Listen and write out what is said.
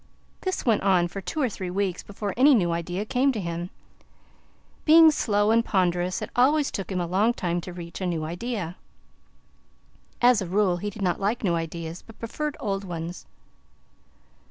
This went on for two or three weeks before any new idea came to him. Being slow and ponderous, it always took him a long time to reach a new idea. As a rule, he did not like new ideas, but preferred old ones.